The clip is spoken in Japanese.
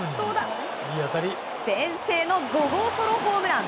先制の５号ソロホームラン。